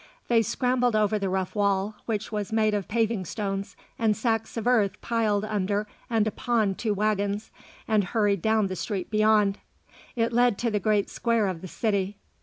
They scrambled over the rough wail, which was made of paving stones and sacks of earth piled under and upon two waggons, and hurried down the street beyond. It led to the great square of the city.